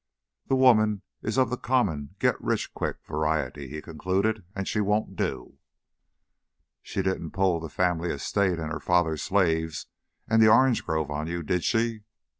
"The woman is of the common 'get rich quick' variety," he concluded, "and she won't do." "She didn't pull the family estate and her father's slaves and the orange grove on you, did she?"